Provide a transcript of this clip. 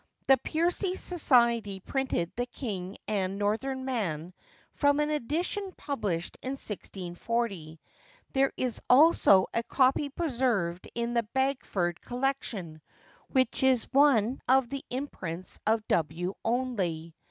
The Percy Society printed The King and Northern Man from an edition published in 1640. There is also a copy preserved in the Bagford Collection, which is one of the imprints of W. Onley.